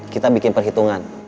kita bikin perhitungan